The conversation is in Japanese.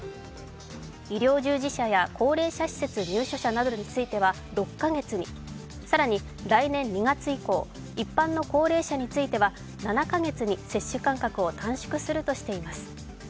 医療従事者や高齢者施設入所者などについては６カ月に、更に来年２月以降、一般の高齢者については７カ月に接種間隔を短縮するとしています。